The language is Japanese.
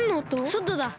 そとだ！